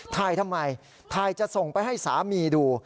ทำไมถ่ายจะส่งไปให้สามีดู